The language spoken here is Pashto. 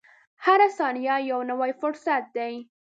• هره ثانیه یو نوی فرصت دی.